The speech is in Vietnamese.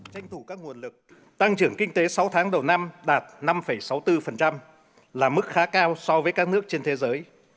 tranh thủ các nguồn lực tăng trưởng kinh tế sáu tháng đầu năm đạt năm sáu mươi bốn là mức khá cao so với các nước trên thế giới